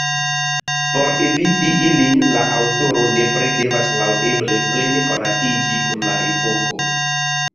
Por eviti ilin, la aŭtoro nepre devas laŭeble plene konatiĝi kun la epoko.